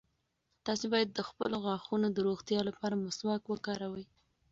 تاسي باید د خپلو غاښونو د روغتیا لپاره مسواک وکاروئ.